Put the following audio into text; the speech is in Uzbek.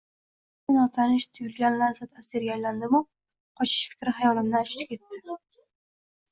Sirli-notanish tuyulgan lazzat asiriga aylandim-u, qochish fikri xayolimdan uchdi-ketdi